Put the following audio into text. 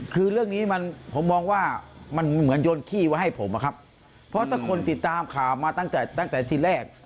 คือเรื่องนี้มันผมมองว่ามันเหมือนโยนขี้ไว้ให้ผมอะครับเพราะถ้าคนติดตามข่าวมาตั้งแต่ตั้งแต่ที่แรก